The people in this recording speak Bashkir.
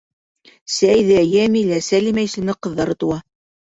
Сәйҙә, Йәмилә, Сәлимә исемле ҡыҙҙары тыуа.